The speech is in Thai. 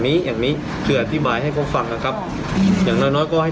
อย่างนี้คืออธิบายให้เขาฟังนะครับอย่างน้อยน้อยก็ให้